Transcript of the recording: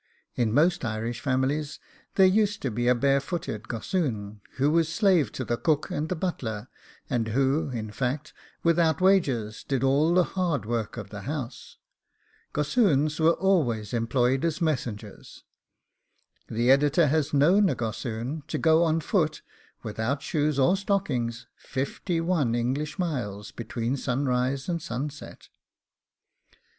In most Irish families there used to be a barefooted gossoon, who was slave to the cook and the butler, and who, in fact, without wages, did all the hard work of the house. Gossoons were always employed as messengers. The Editor has known a gossoon to go on foot, without shoes or stockings, fifty one English miles between sunrise and sunset.